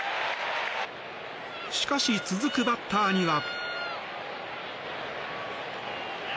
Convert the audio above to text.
しかし、続くバッターには。